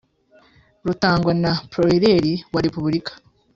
rutangwa na proiireri wa RepubuLika.